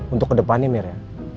untuk kedepannya mir ya